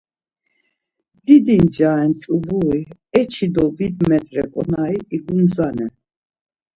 Didi nca ren ç̌ubri, eçi-eçi do vit metro ǩonari igundzanen.